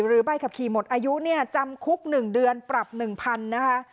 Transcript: ใบขับขี่หมดอายุเนี่ยจำคุก๑เดือนปรับ๑๐๐๐นะคะ